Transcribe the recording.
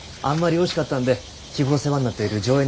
あんまりおいしかったんで日頃世話になっている条